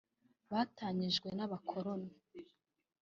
batanyijwe n’abakoloni